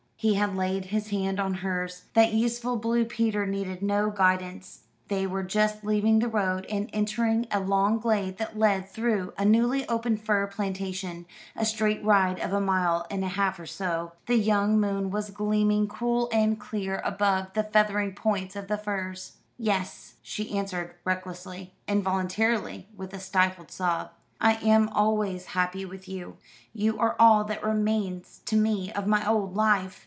He had laid his hand on hers. That useful Blue Peter needed no guidance. They were just leaving the road, and entering a long glade that led through a newly opened fir plantation, a straight ride of a mile and a half or so. The young moon was gleaming cool and clear above the feathering points of the firs. "Yes," she answered recklessly, involuntarily, with a stifled sob, "I am always happy with you. You are all that remains to me of my old life."